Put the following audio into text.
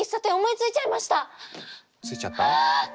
ついちゃった？